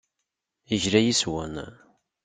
Yegla yes-wen.